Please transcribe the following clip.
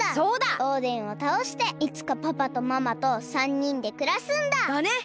オーデンをたおしていつかパパとママと３にんでくらすんだ！だね！